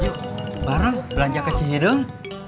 yuk bareng belanja kecilnya dung